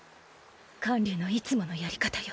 観柳のいつものやり方よ。